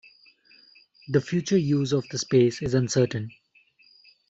The future use of the space is uncertain.